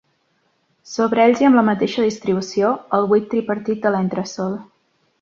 Sobre ells i amb la mateixa distribució, el buit tripartit de l'entresòl.